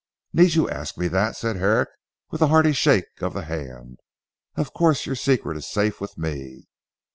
"Need you ask me that!" said Herrick with a hearty shake of the hand. "Of course your secret is safe with me."